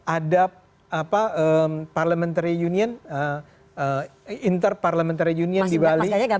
ada inter parlamentary union di bali